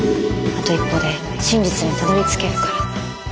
あと一歩で真実にたどりつけるから。